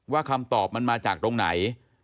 คำตอบมันมาจากตรงไหน